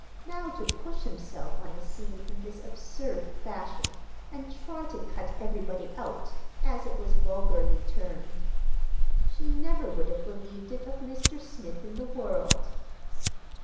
Now to push himself on the scene in this absurd fashion and try "to cut everybody out," as it was vulgarly termed—she never would have believed it of Mr. Smith in the world.